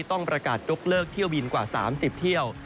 ต้องประกาศยกเลิกเที่ยวบินกว่า๓๐เที่ยว